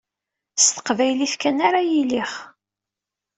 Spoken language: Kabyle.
S teqbaylit kan ara yiliɣ.